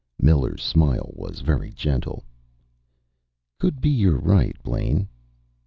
Miller's smile was very gentle. "Could be you're right, Blaine."